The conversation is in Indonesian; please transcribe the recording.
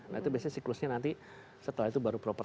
nah itu biasanya siklusnya nanti setelah itu baru proper